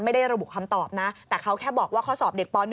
ไม่ได้ระบุคำตอบนะแต่เขาแค่บอกว่าข้อสอบเด็กป๑